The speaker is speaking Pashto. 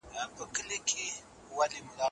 ځيني علماء وايي.